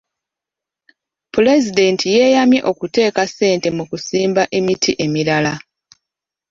Pulezidenti yeeyamye okuteeka ssente mu kusimba emiti emirala.